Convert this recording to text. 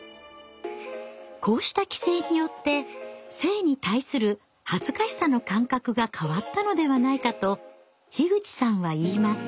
こうした規制によって性に対する恥ずかしさの感覚が変わったのではないかと口さんは言います。